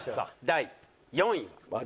第４位は。